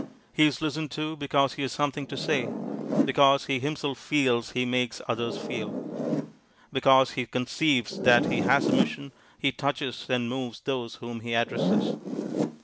He is listened to because he has something to say ; because he him ;elf feels he makes others feel. Because he conceives that he has a mission, he touches and moves those whom he addresses.